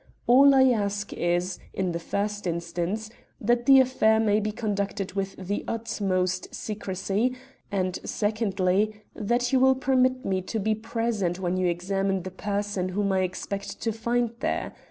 All I ask is, in the first instance, that the affair may be conducted with the utmost secrecy, and, secondly, that you will permit me to be present when you examine the person whom I expect to find there.